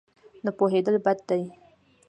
نه پوهېدل بد دی.